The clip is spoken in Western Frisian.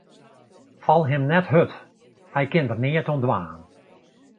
Fal him net hurd, hy kin der neat oan dwaan.